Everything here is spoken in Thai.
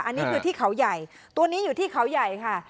อันนี้คือที่เขาใหญ่ตัวนี้อยู่ที่เขาใหญ่ค่ะ